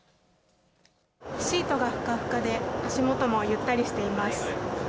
シートがふかふかで足元もゆったりしています。